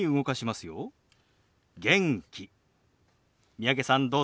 三宅さんどうぞ。